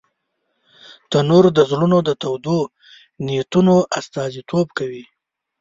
تنور د زړونو د تودو نیتونو استازیتوب کوي